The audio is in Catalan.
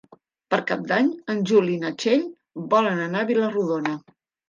Per Cap d'Any en Juli i na Txell volen anar a Vila-rodona.